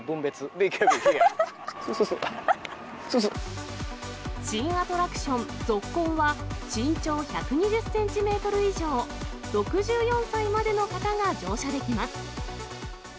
ＢＫＢ、新アトラクション、ゾッコンは、身長１２０センチメートル以上、６４歳までの方が乗車できます。